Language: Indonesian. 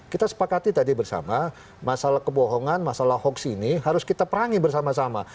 kita sepakati tadi bersama masalah kebohongan masalah hoax ini harus kita perangi bersama sama